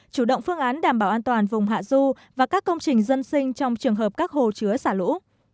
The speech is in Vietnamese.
chủ động phương án đảm bảo an toàn vùng hạ du và các công trình dân sinh trong trường hợp các hồ chứa xả lũ